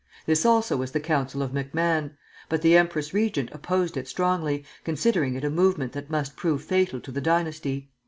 This also was the counsel of MacMahon; but the empress regent opposed it strongly, considering it a movement that must prove fatal to the dynasty.